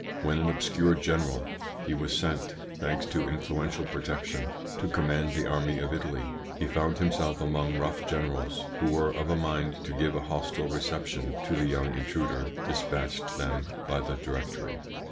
When, an obscure general, he was sent, thanks to influential protection, to command the army of Italy, he found himself among rough generals who were of a mind to give a hostile reception to the young intruder dispatched them by the Directory.